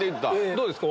どうですか？